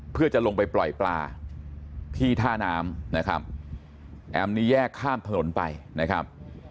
เพื่อจะลงไปปล่อยปลาที่ท่าน้ำนะครับแอมนี้แยกข้ามถนนไปนะครับ